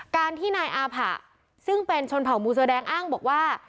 การที่นายอาผะซึ่งเป็นชนเผ่ามูเสื้อแดงอ้างบอกว่า